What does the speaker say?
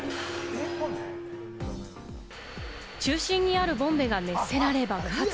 中心にあるボンベが熱せられ、爆発。